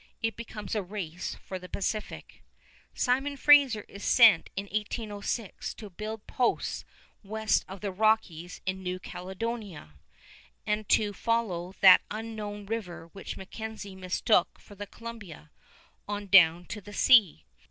It becomes a race for the Pacific. [Illustration: SIMON FRASER] Simon Fraser is sent in 1806 to build posts west of the Rockies in New Caledonia, and to follow that unknown river which MacKenzie mistook for the Columbia, on down to the sea.